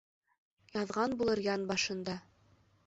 Яҙған булыр ян башында.